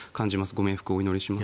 ご冥福をお祈りします。